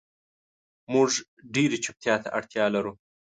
مونږ ډیرې چوپتیا ته اړتیا لرو